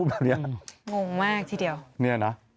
งงมากทีเดียว